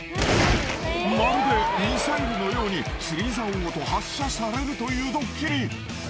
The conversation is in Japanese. ［まるでミサイルのように釣りざおごと発射されるというドッキリ］